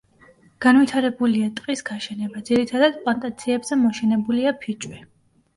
განვითარებულია ტყის გაშენება, ძირითადად პლანტაციებზე მოშენებულია ფიჭვი.